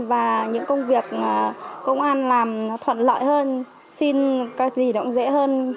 và những công việc công an làm nó thuận lợi hơn xin cái gì nó cũng dễ hơn